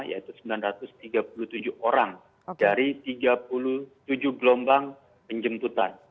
yaitu sembilan ratus tiga puluh tujuh orang dari tiga puluh tujuh gelombang penjemputan